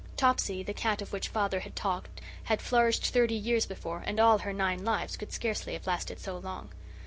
Topsy, the cat of which father had talked, had flourished thirty years before, and all her nine lives could scarcely have lasted so long.